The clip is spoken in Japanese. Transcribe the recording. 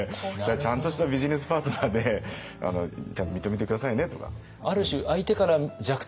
「ちゃんとしたビジネスパートナーでちゃんと認めて下さいね」とか。